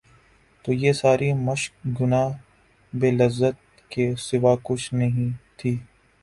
تو یہ ساری مشق گناہ بے لذت کے سوا کچھ نہیں تھی۔